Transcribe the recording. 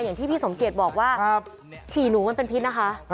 อย่างที่พี่สมเกียจบอกว่าฉี่หนูมันเป็นพิษนะคะ